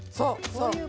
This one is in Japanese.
そう。